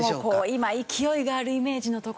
今勢いがあるイメージのところ。